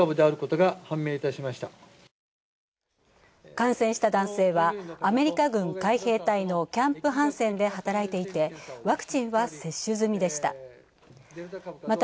感染した男性は、アメリカ軍海兵隊キャンプ・ハンセンで働いていてワクチンは接種済みでした。